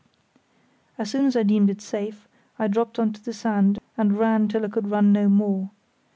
As soon as I deemed it safe, I dropped on to the sand and ran till I could run no more.